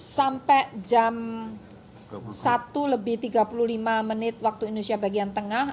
sampai jam satu lebih tiga puluh lima menit waktu indonesia bagian tengah